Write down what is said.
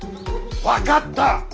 分かった！